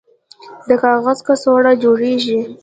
د کاغذ کڅوړې جوړیږي؟